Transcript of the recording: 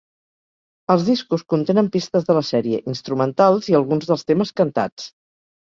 Els discos contenen pistes de la sèrie instrumentals i alguns dels temes cantats.